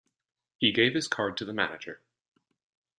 He gave his card to the manager.